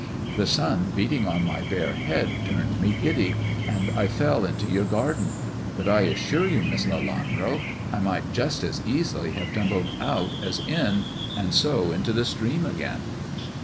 The sun beating on my bare head turned Die giddy, and I fell into your garden ; but I assure you, MEiss Lelanro, I might just as easily have tumbled out as ID, and so into the stream again."